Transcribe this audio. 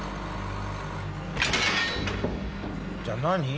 じゃあ何？